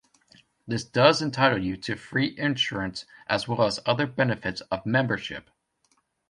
This does entitle you to free insurance as well as other benefits of membership.